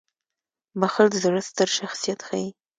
• بخښل د زړه ستر شخصیت ښيي.